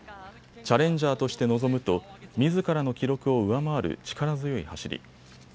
チャレンジャーとして臨むとみずからの記録を上回る力強い走り。